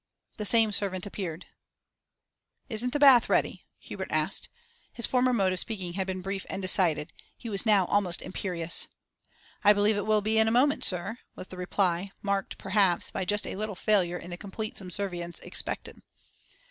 The same servant appeared. 'Isn't the bath ready?' Hubert asked. His former mode of speaking had been brief and decided; he was now almost imperious. 'I believe it will be in a moment, sir,' was the reply, marked, perhaps, by just a little failure in the complete subservience expected.